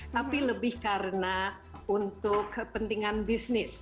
tapi lebih karena untuk kepentingan bisnis